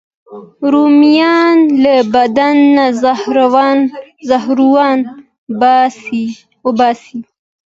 رومیان له بدن نه زهرونه وباسي